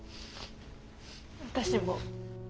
私も。